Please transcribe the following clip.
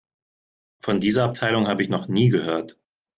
Von dieser Abteilung habe ich noch nie gehört.